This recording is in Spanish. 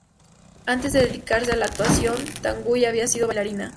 Antes de dedicarse a la actuación, Tanguy había sido bailarina.